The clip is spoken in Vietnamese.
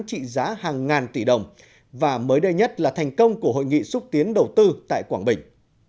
trị giá hàng ngàn tỷ đồng và mới đây nhất là thành công của hội nghị xúc tiến đầu tư tại quảng bình